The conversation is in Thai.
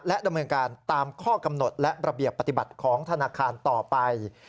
ดำเนินการตามข้อกำหนดและระเบียบปฏิบัติของธนาคารต่อไป